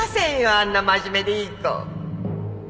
あんな真面目でいい子。